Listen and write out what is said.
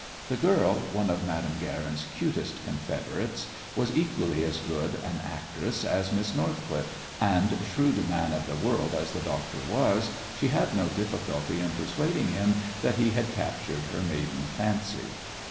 The girl, one of Madame Guerin's cutest confederates, was equally as good an actress as Miss Northcliffe, and, shrewd man of the world as the doctor was, she had no difficulty in persuading him that he had captured her maiden fancy.